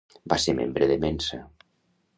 Va ser membre de Mensa.